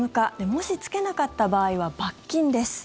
もし着けなかった場合は罰金です。